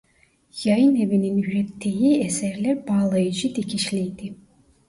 Yayınevinin ürettiği eserler bağlayıcı dikişliydi.